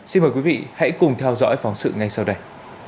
xin mời quý vị hãy cùng theo dõi phóng sự ngay sau đây